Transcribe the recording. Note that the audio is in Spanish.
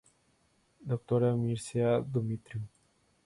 Dr. Mircea Dumitru.